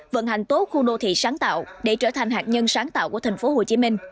vận hành tốt khu đô thị sáng tạo để trở thành hạt nhân sáng tạo của tp hcm